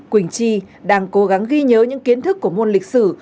quỳnh chi đang cố gắng ghi nhớ những kiến thức của môn lịch sử